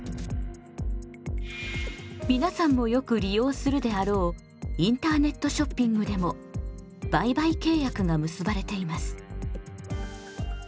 皆さんもよく利用するであろうインターネットショッピングでも売買契約が結ばれています。